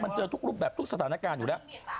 มันเจอทุกรูปแบบทุกสถานการณ์อยู่แล้ว